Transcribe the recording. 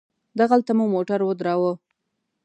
دغلته مو موټر ودراوه.